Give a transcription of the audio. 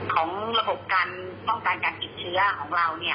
ของระบบการป้องกันการติดเชื้อของเรา